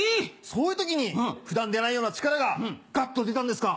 そういう時に普段出ないような力がガッと出たんですか？